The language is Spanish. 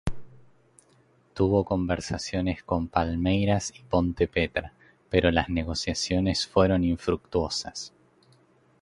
Tuvo conversaciones con Palmeiras y Ponte Preta, pero las negociaciones fueron infructuosas.